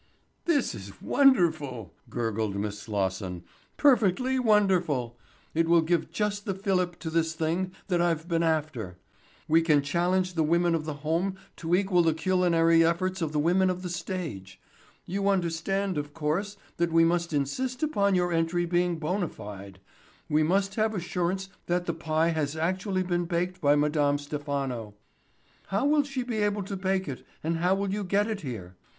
"This is wonderful," gurgled Miss Slosson, "perfectly wonderful! It will give just the filip to this thing that I've been after. We can challenge the women of the home to equal the culinary efforts of the women of the stage. You understand, of course, that we must insist upon your entry being bona fide. We must have assurance that the pie has actually been baked by Madame Stephano. How will she be able to bake it and how will you get it here?